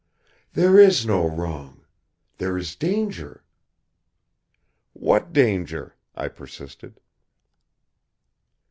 "There is no wrong. There is danger." "What danger?" I persisted.